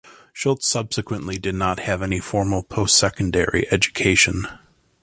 Schultz subsequently did not have any formal post-secondary education.